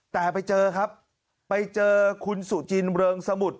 แต่ไปเจอครับไปเจอคุณสุจินเริงสมุทร